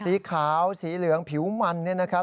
สีขาวสีเหลืองผิวมันเนี่ยนะครับ